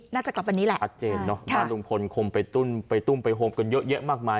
น่าจะกลับวันนี้แหละชัดเจนเนอะว่าลุงพลคงไปตุ้มไปตุ้มไปโฮมกันเยอะแยะมากมาย